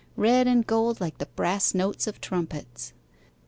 Red and gold like the brass notes of trumpets.